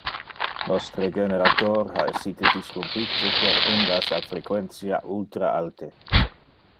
Nostre generator ha essite disrumpite per undas a frequentia ultra alte.